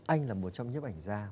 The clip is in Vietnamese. anh là một trong những ảnh gia